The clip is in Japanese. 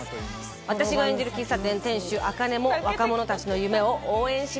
私が演じる喫茶店店主茜も若者たちの夢を応援します。